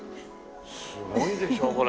すごいでしょこれ。